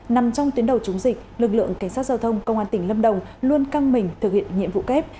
nằm trong tuyến đầu chống dịch lực lượng cảnh sát giao thông công an tỉnh lâm đồng luôn căng mình thực hiện nhiệm vụ kép